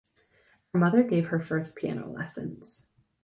Her mother gave her first piano lessons.